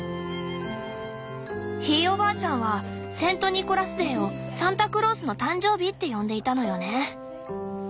ひいおばあちゃんはセント・ニコラスデーを「サンタクロースの誕生日」って呼んでいたのよね。